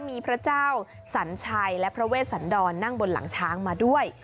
มีพระเจ้าสัญชัยและพระเวชสันดรนั่งบนหลังช้างมาด้วย